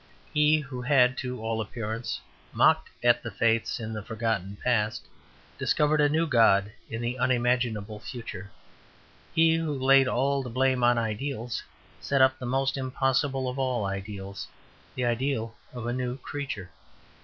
He who had to all appearance mocked at the faiths in the forgotten past discovered a new god in the unimaginable future. He who had laid all the blame on ideals set up the most impossible of all ideals, the ideal of a new creature.